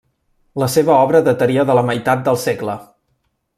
La seva obra dataria de la meitat del segle.